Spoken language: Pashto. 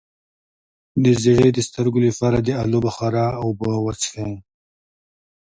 د زیړي د سترګو لپاره د الو بخارا اوبه وڅښئ